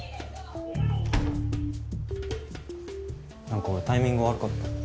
何か俺タイミング悪かった？